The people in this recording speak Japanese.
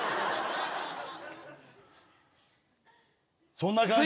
そんな感じ。